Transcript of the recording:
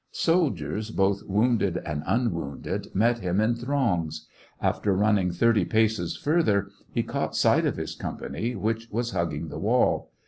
Soldiers, both wounded and unwounded, met him in throngs. After running thirty paces further, he caught sight of his company, which was hugging the wall.